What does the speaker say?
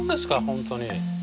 本当に。